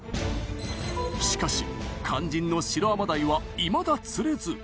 しかし肝心のシロアマダイはいまだ釣れず。